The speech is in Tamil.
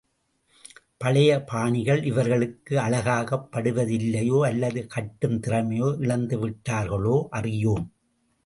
பழைய பாணிகள் இவர்களுக்கு அழகாகப்படுவதில்லையோ, அல்லது கட்டும் திறமையை இழந்துவிட்டார்களோ அறியோம்.